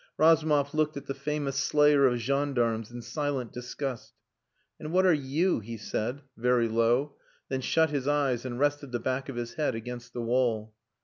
Razumov looked at the famous slayer of gendarmes in silent disgust. "And what are you?" he said, very low, then shut his eyes, and rested the back of his head against the wall.